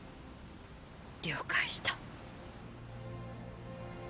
了解した。